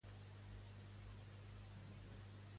A quina obra literària apareix Amfitrite?